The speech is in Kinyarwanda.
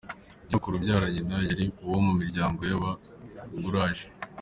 Nyirakuru ubyara nyina yari uwo mu miryango y’abagurage.